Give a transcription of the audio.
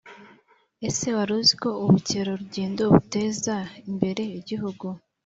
Ase waruziko ubu cyerarujyendo buteza imbere igihugu